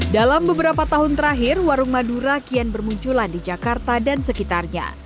dalam beberapa tahun terakhir warung madura kian bermunculan di jakarta dan sekitarnya